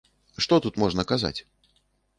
Што тут можна казаць?